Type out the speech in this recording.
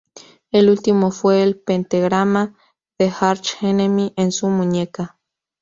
El último fue el pentagrama de Arch Enemy en su muñeca.